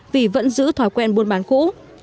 vì vẫn giữ thói quen buôn bán cũ